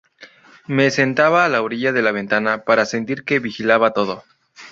Me sentaba a la orilla de la ventana para sentir que vigilaba todo.